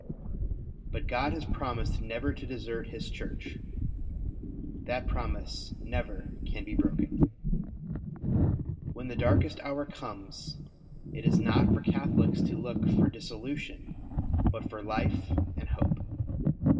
But God has promised never to desert His Church. That promise never can be broken. When the darkest hour comes, it is not for Catholics to look for dissolution, but for life and hope.